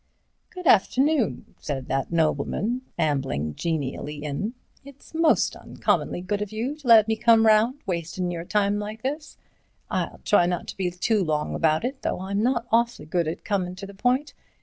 "Good afternoon," said that nobleman, ambling genially in, "it's most uncommonly good of you to let me come round wastin' your time like this. I'll try not to be too long about it, though I'm not awfully good at comin' to the point.